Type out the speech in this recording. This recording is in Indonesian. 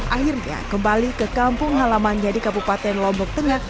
akhirnya kembali ke kampung halamannya di kabupaten lombok tengah